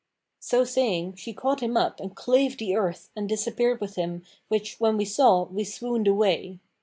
So saying, she caught him up and clave the earth and disappeared with him which when we saw, we swooned away.